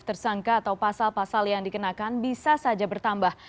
tersangka atau pasal pasal yang dikenakan bisa saja bertambah